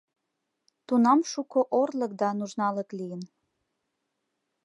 Тунам шуко орлык да нужналык лийын.